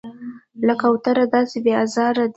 لکه کوتره داسې بې آزاره دی.